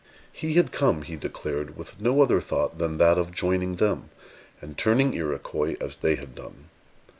He had come, he declared, with no other thought than that of joining them, and turning Iroquois, as they had done.